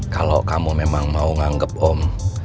kalau kamu memang mau nganggep om